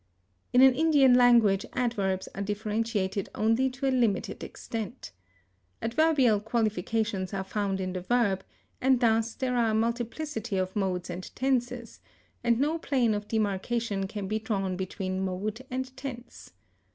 In an Indian language adverbs are differentiated only to a limited extent. Adverbial qualifications are found in the verb, and thus there are a multiplicity of modes and tenses, and no plane of demarcation can be drawn between mode and tense.